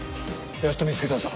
やっと見つけたぞ。